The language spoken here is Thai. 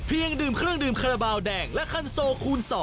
ดื่มเครื่องดื่มคาราบาลแดงและคันโซคูณ๒